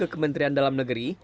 kementerian dalam negeri